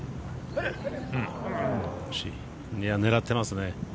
狙ってますね。